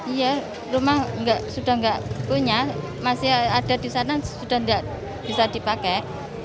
iya rumah sudah tidak punya masih ada di sana sudah tidak bisa dipakai